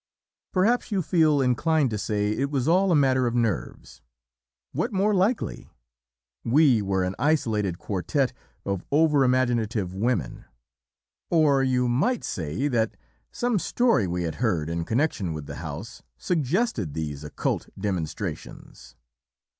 "Perhaps you feel inclined to say it was all a matter of nerves. What more likely! We were an isolated quartet of over imaginative women! Or you might say that some story we had heard in connection with the house suggested these occult demonstrations.